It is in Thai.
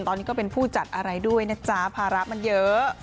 ตอนนี้ก็เป็นผู้จัดอะไรด้วยนะจ๊ะภาระมันเยอะ